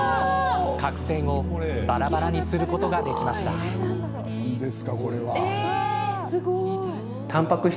角栓を、ばらばらにすることができたんです。